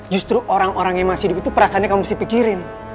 justru orang orang yang masih hidup itu perasaannya kamu mesti pikirin